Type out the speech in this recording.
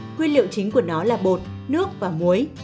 nguyên liệu chính của nó là bột nước và muối